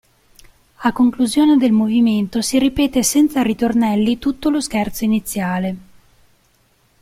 A conclusione del movimento si ripete senza ritornelli tutto lo Scherzo iniziale.